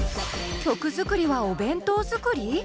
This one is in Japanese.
曲作りはお弁当作り？